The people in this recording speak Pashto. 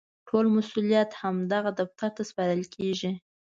ټول مسوولیت همدغه دفتر ته سپارل کېږي.